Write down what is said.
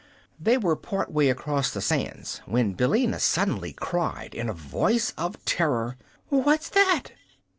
They were part way across the sands when Billina suddenly cried, in a voice of terror: "What's that?"